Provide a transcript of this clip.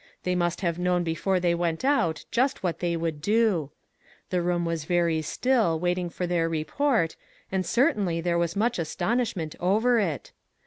They must have known before they went out just what they would do. The room was very still wait 376 "THE EXACT TRUTH" ing for their report, and certainly there was much astonishment over it.